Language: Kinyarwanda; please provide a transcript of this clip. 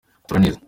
Tora neza.